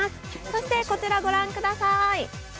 そしてこちらご覧ください。